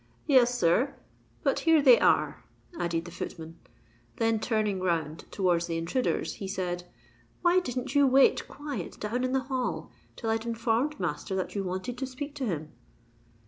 "Yes, sir——But here they are," added the footman: then turning round towards the intruders, he said, "Why didn't you wait quiet down in the hall till I'd informed master that you wanted to speak to him?"